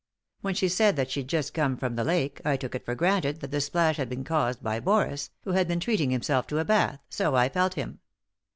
When she said that she'd just come from the lake I took it for granted that the splash had been caused by Boris, who had been treating himself to a bath, so I felt him.